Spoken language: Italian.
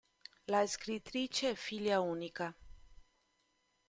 La scrittrice è figlia unica.